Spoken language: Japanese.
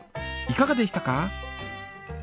いかがでしたか？